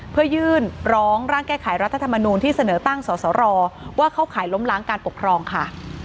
เพื่อยื่นร้องร่างแก้ไขรัฐธรรมนูลที่เสนอตั้งสอสรว่าเข้าข่ายล้มล้างการปกครองค่ะ